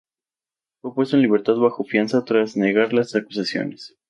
Fue puesto en libertad bajo fianza tras negar las acusaciones.